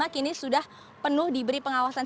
kini sudah penuh diberi pengawasan